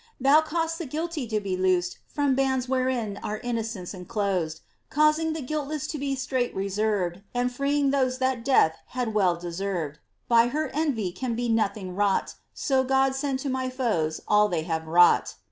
Thou caus*d8t the guilty to be loosed From bands wherein are innocents enclosed, Causing the guiltless to be strait reserved, And freeing those that death had well deserved, But by her envy can be nothing wrought, So God send to my foes uU tliey have wrought.